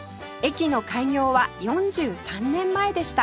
駅の開業は４３年前でした